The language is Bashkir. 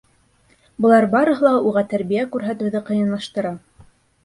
Былар барыһы ла уға тәрбиә күрһәтеүҙе ҡыйынлаштыра.